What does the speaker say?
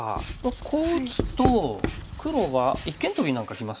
こう打つと黒は一間トビなんかきます？